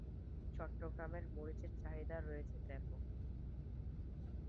চট্টগ্রামের মরিচের চাহিদা রয়েছে ব্যাপক।